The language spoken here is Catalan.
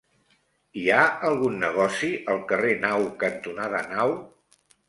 Hi ha algun negoci al carrer Nau cantonada Nau?